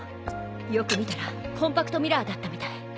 よく見たらコンパクトミラーだったみたい。